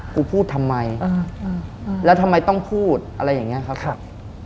กูพูดทำไมแล้วทำไมต้องพูดอะไรอย่างนี้ครับ